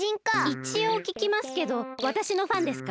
いちおうききますけどわたしのファンですか？